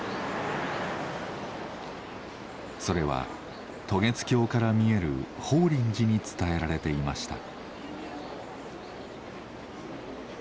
それは渡月橋から見える法輪寺に伝えられていました。